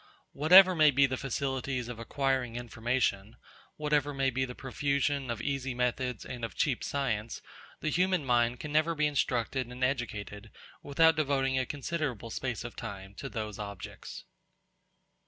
Whatever may be the facilities of acquiring information, whatever may be the profusion of easy methods and of cheap science, the human mind can never be instructed and educated without devoting a considerable space of time to those objects.